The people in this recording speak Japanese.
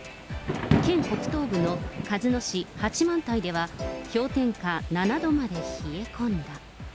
県北東部の鹿角市八幡平では氷点下７度まで冷え込んだ。